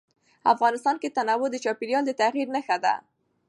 افغانستان کې تنوع د چاپېریال د تغیر نښه ده.